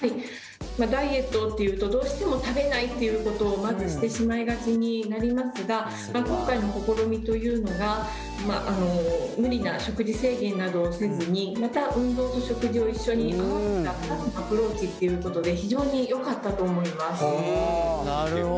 ダイエットっていうとどうしても食べないっていうことをまずしてしまいがちになりますが今回の試みというのが無理な食事制限などをせずにまた運動と食事を一緒に合わせたアプローチっていうことで非常によかったと思います。